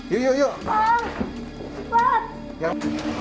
yuk yuk yuk